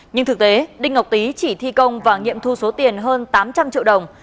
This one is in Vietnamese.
nhưng thực tế đinh ngọc tý chỉ thi công và nghiệm thu số tiền hơn tám trăm linh triệu đồng